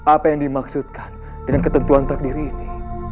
apa yang dimaksudkan dengan ketentuan takdir ini